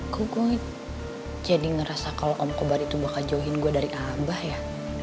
kok gue jadi ngerasa kalau om kobarto itu bakal jauhin gue dari abah ya